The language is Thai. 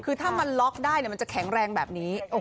คือถ้ามันล็อกได้มันจะแข็งแรงแบบนี้